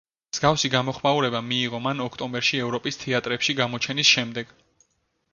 მსგავსი გამოხმაურება მიიღო მან ოქტომბერში ევროპის თეატრებში გამოჩენის შემდეგ.